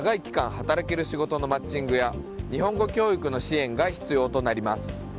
働ける仕事のマッチングや日本語教育の支援が必要となります。